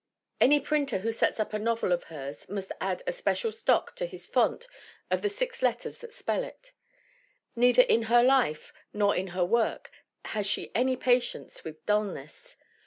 Any printer who sets up a novel of hers must add a spe cial stock to his font of the six letters that spell it. Neither in her life nor in her work has she any pa tience with dullness.